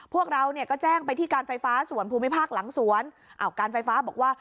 พวกเราเนี่ยก็แจ้งไปที่การไฟฟ้าส่วนภูมิภาคหลังสวนอ้าวการไฟฟ้าบอกว่า